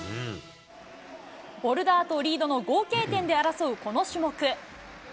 ボルダーとリードの合計点で争うこの種目。